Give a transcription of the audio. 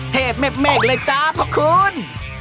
เทพเมฆเลยจ๊ะขอบคุณ